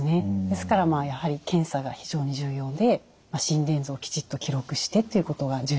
ですからやはり検査が非常に重要で心電図をきちっと記録してということが重要になります。